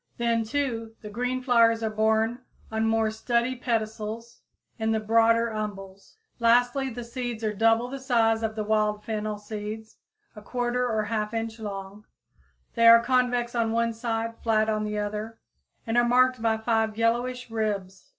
Then, too, the green flowers are borne on more sturdy pedicels in the broader umbels, lastly the seeds are double the size of the wild fennel seeds, 1/4 or 1/2 inch long. They are convex on one side, flat on the other, and are marked by five yellowish ribs.